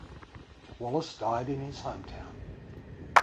Wallace died in his hometown.